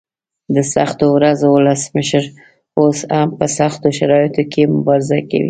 د سختو ورځو ولسمشر اوس هم په سختو شرایطو کې مبارزه کوي.